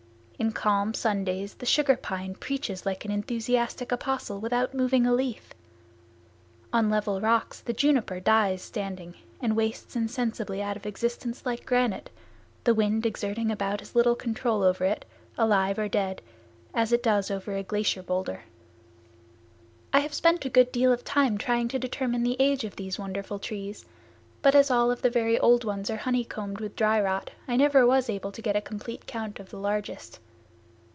In calm, sun days the sugar pine preaches like an enthusiastic apostle without moving a leaf. On level rocks the juniper dies standing and wastes insensibly out of existence like granite, the wind exerting about as little control over it, alive or dead, as is does over a glacier boulder. I have spent a good deal of time trying to determine the age of these wonderful trees, but as all of the very old ones are honey combed with dry rot I never was able to get a complete count of the largest.